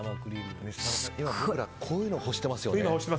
今こういうの欲してますよね。